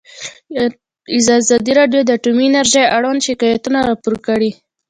ازادي راډیو د اټومي انرژي اړوند شکایتونه راپور کړي.